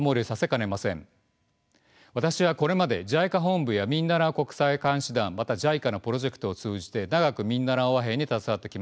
私はこれまでＪＩＣＡ本部やミンダナオ国際監視団またＪＩＣＡのプロジェクトを通じて長くミンダナオ和平に携わってきました。